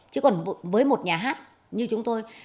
chứ còn với một nhà hát như chúng tôi